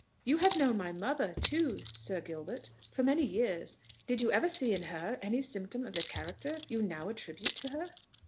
"You have known my mother too, Sir Gilbert, for many, many years: did you ever see in her any symptom of the character you now attribute to her?"